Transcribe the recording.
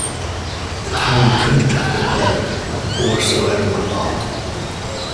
The timing couldn't have been better, or so everyone thought.